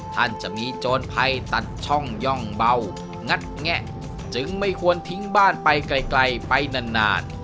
ท่านจะมีโจรภัยตัดช่องย่องเบางัดแงะจึงไม่ควรทิ้งบ้านไปไกลไปนาน